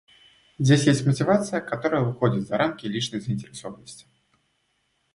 Здесь есть мотивация, которая выходит за рамки личной заинтересованности.